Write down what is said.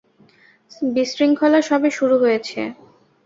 বিশৃঙ্খলা সবে শুরু হয়েছে।